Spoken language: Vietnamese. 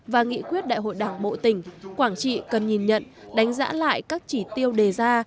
và nghị quyết đại hội đảng bộ tỉnh quảng trị cần nhìn nhận đánh giá lại các chỉ tiêu đề ra